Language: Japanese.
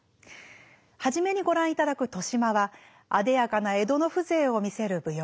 初めにご覧いただく「年増」はあでやかな江戸の風情を見せる舞踊です。